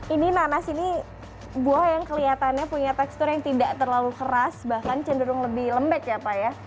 ini nanas ini buah yang kelihatannya punya tekstur yang tidak terlalu keras bahkan cenderung lebih lembek ya pak ya